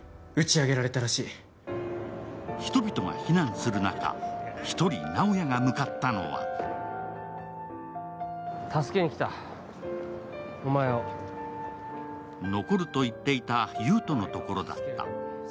人々が避難する中、１人、直哉が向かったのは残ると言っていた優斗のところだった。